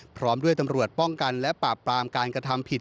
พร้อมด้วยตำรวจป้องกันและปราบปรามการกระทำผิด